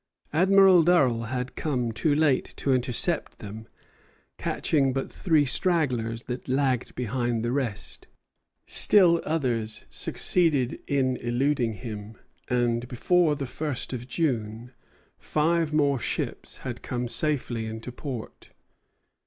Admiral Durell had come too late to intercept them, catching but three stragglers that had lagged behind the rest. Still others succeeded in eluding him, and before the first of June five more ships had come safely into port.